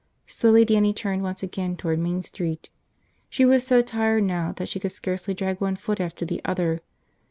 Slowly Dannie turned once again toward Main Street. She was so tired now that she could scarcely drag one foot after the other.